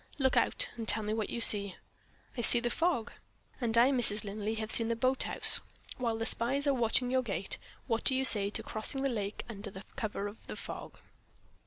"Look out, and tell me what you see." "I see the fog." "And I, Mrs. Linley, have seen the boathouse. While the spies are watching your gate, what do you say to crossing the lake, under cover of the fog?"